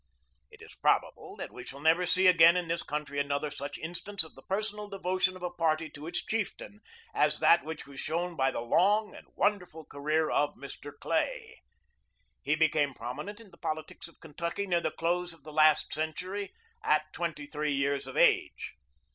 It is probable that we shall never see again in this country another such instance of the personal devotion of a party to its chieftain as that which was shown by the long and wonderful career of Mr. Clay. He became prominent in the politics of Kentucky near the close of the last century at twenty three years of age.